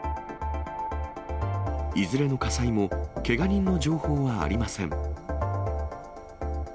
いずれの火災も、けが人の情報はありません。